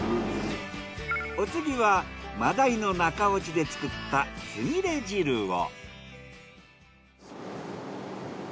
お次はマダイの中落ちで作ったつみれ汁を。